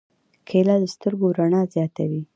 کېله د سترګو رڼا زیاتوي.